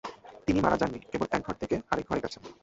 তিনি মারা যাননি, কেবল এক ঘর থেকে আর এক ঘরে গেছেন।